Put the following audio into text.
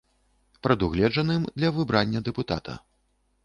Прадугледжаным для выбрання дэпутата.